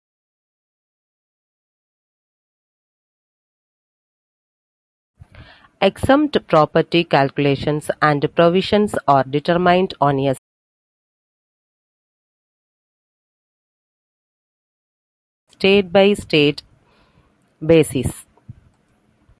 Exempt property calculations and provisions are determined on a state-by-state basis.